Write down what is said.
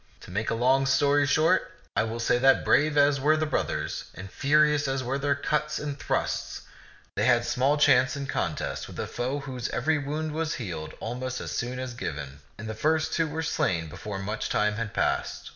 To make a long story short, I will say that, brave as were the brothers and furious as were their cuts and ^^e ^C|uive'0 €ah 179 thrusts, they had small chance in contest with a foe whose every wound was healed almost as soon as given ; and the first two were slain before much time had passed.